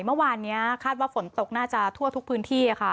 เมื่อวานนี้คาดว่าฝนตกน่าจะทั่วทุกพื้นที่ค่ะ